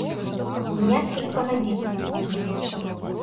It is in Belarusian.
Ніяк іх пагадзіць няможна.